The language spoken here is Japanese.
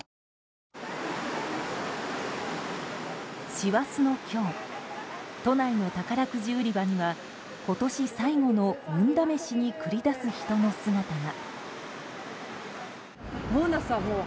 師走の今日都内の宝くじ売り場には今年最後の運試しに繰り出す人の姿が。